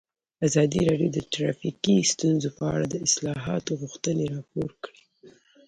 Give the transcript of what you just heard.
ازادي راډیو د ټرافیکي ستونزې په اړه د اصلاحاتو غوښتنې راپور کړې.